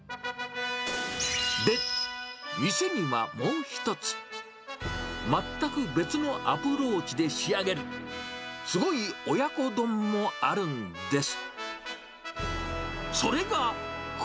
で、店にはもう一つ、全く別のアプローチで仕上げる、すごい親子丼もあるんです。